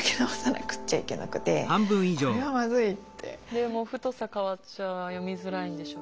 でも太さ変わっちゃ読みづらいんでしょ？